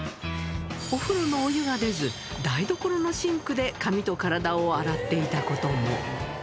お風呂のお湯が出ず、台所のシンクで髪と体を洗っていたことも。